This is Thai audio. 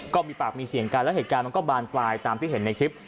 ก็มีปากมีเสียงกันแล้วเหตุการณ์มันก็บานปลายตามที่เห็นในคลิป